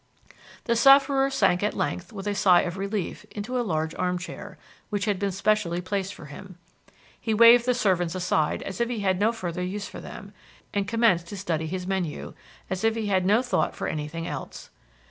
The sufferer sank at length with a sigh of relief into a large armchair, which had been specially placed for him. He waved the servants aside as if he had no further use for them, and commenced to study his menu, as if he had no thought for anything else.